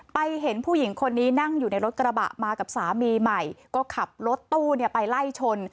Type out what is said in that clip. เห็นผู้หญิงคนนี้นั่งอยู่ในรถกระบะมากับสามีใหม่ก็ขับรถตู้ไปไล่ชน